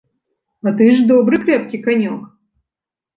А ты ж добры, крэпкі канёк.